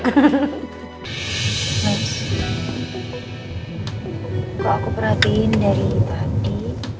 kalau aku perhatiin dari hati